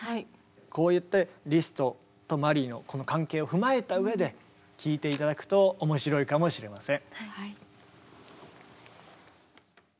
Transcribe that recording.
こうやってリストとマリーのこの関係を踏まえた上で聴いて頂くと面白いかもしれません。